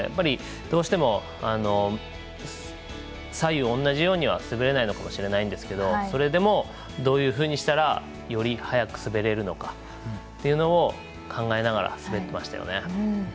どうしても左右同じようには滑れないのかもしれないですけどそれでもどういうふうにしたらより速く滑れるのかというのを考えながら滑ってましたよね。